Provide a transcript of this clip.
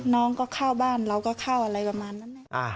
น้องก็เข้าบ้านเราก็เข้าอะไรประมาณนั้น